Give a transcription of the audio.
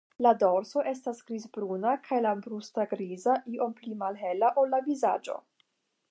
La dorso estas grizbruna kaj la brusto griza, iom pli malhela ol la vizaĝo.